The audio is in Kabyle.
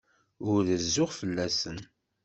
Ur rezzuɣ fell-asen.